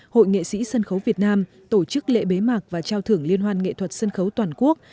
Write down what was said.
hội nghệ sĩ sân khấu việt nam tổ chức lễ bế mạc và trao thưởng liên hoan nghệ thuật sân khấu toàn quốc